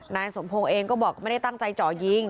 นายสมพงศ์เองก็บอกไม่ได้ตั้งใจเจาะยิง